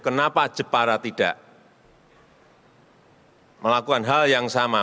kenapa jepara tidak melakukan hal yang sama